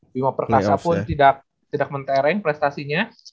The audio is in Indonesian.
bima perkasa pun tidak mentereng prestasinya